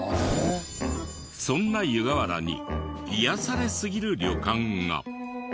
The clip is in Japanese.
そんな湯河原に癒やされすぎる旅館が。